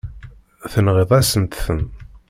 Tenɣiḍ-asent-ten.